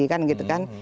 kan gitu kan